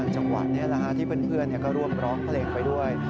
จังหวะนี้ที่เพื่อนก็ร่วมร้องเพลงไปด้วย